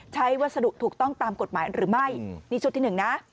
วัสดุถูกต้องตามกฎหมายหรือไม่นี่ชุดที่หนึ่งนะ